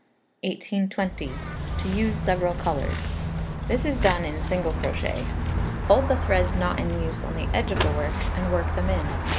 1820. To Use several Colours. This is done in single crochet. Hold the threads not in use on the edge of the work, and work them in.